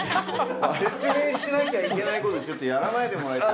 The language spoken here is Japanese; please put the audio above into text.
説明しなきゃいけないこと、ちょっとやらないでもらいたい。